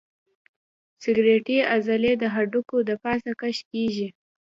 سکلیټي عضلې د هډوکو د پاسه کش کېږي.